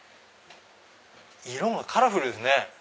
色がカラフルですね。